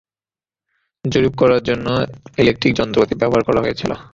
জরিপ করার জন্য ইলেক্ট্রনিক যন্ত্রপাতি ব্যবহার করা হয়েছিল।